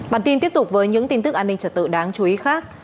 bản tin tiếp tục với những tin tức an ninh trật tự đáng chú ý khác